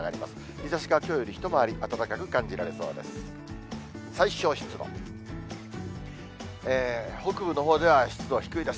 日ざしがきょうより一回り暖かく感じられそうです。